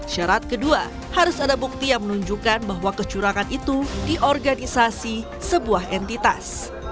syarat kedua harus ada bukti yang menunjukkan bahwa kecurangan itu di organisasi sebuah entitas